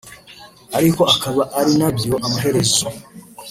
ariko akaba ari nabyo amaherezo